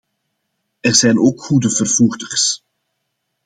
Er zijn ook goede vervoerders.